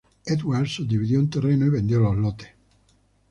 Edwards subdividió un terreno y vendió los lotes.